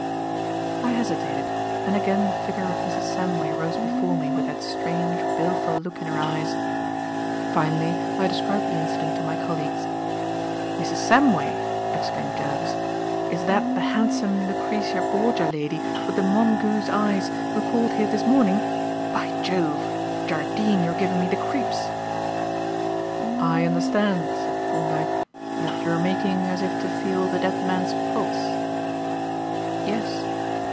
I hesitated, and again the figure of Mrs. Samway rose before me with that strange, baleful look in her eyes. Finally I described the incident to my colleagues. "Mrs. Samway!" exclaimed Jervis. "Is that the handsome Lucrezia Borgia lady with the mongoose eyes who called here this morning? By Jove! Jardine, you are giving me the creeps." "I understand," said Thorndyke, "that you were making as if to feel the dead man's pulse?" "Yes."